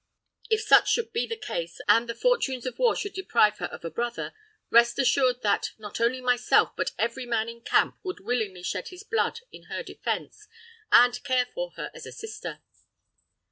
"If such should be the case, and the fortunes of war should deprive her of a brother, rest assured that, not only myself, but every man in camp would willingly shed his blood in her defense, and care for her as a sister!"